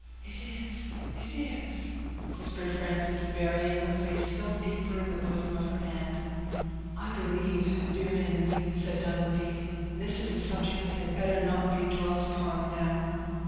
"It is—it is," whispered Frances, burying her face still deeper in the bosom of her aunt. "I believe, dear Henry," said Dunwoodie, "this is a subject that had better not be dwelt upon now."